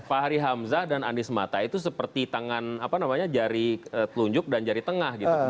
pak hari hamzah dan anies mata itu seperti jari telunjuk dan jari tengah